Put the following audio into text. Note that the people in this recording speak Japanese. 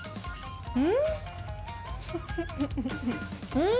うん！